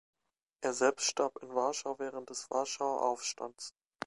Er selbst starb in Warschau während des Warschauer Aufstands.